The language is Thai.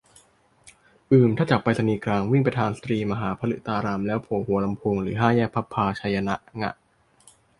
อืม ถ้าจากไปรษณีย์กลาง วิ่งไปทางสตรีมหาพฤตาราม แล้วโผล่หัวลำโพงหรือห้าแยกพลับพลาไชยนะ ง่ะ